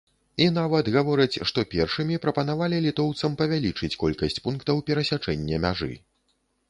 І нават гавораць, што першымі прапанавалі літоўцам павялічыць колькасць пунктаў перасячэння мяжы.